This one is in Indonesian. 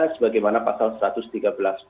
sebagaimana pasal satu ratus tiga belas huru